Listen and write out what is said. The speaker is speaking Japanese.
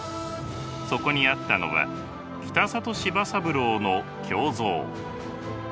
そこにあったのは北里柴三郎の胸像。